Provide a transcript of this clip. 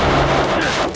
akan kau menang